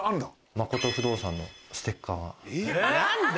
誠不動産のステッカー。